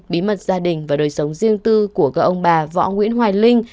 bí mật gia đình và đời sống riêng tư của các ông bà võ nguyễn hoài linh